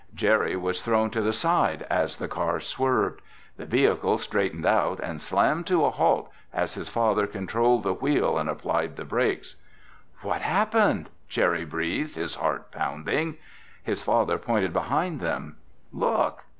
Jerry was thrown to the side as the car swerved. The vehicle straightened out and slammed to a halt as his father controlled the wheel and applied the brakes. "What happened?" Jerry breathed, his heart pounding. His father pointed behind them. "Look."